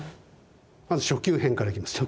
まず初級編からいきます。